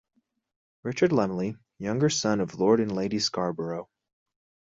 Richard Lumley, younger son of Lord and Lady Scarbrough.